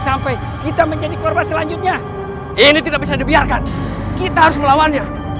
sampai jumpa di video selanjutnya